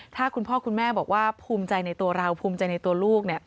ถ้าคุณพ่อคุณแม่บอกว่าภูมิใจในตัวเราภูมิใจในตัวลูก